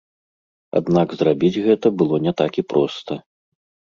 Аднак зрабіць гэта было не так і проста.